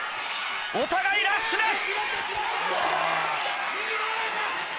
お互いラッシュです！